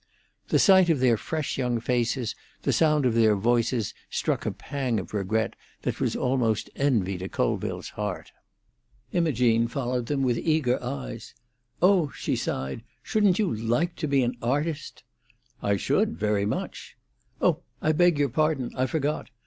The sight of their fresh young faces, the sound of their voices, struck a pang of regret that was almost envy to Colville's heart. Imogene followed them with eager eyes. "Oh," she sighed, "shouldn't you like to be an artist?" "I should, very much." "Oh, I beg your pardon; I forgot.